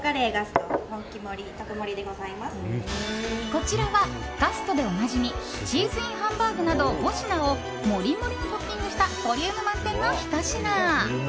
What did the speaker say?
こちらはガストでおなじみチーズＩＮハンバーグなど５品をモリモリにトッピングしたボリューム満点のひと品。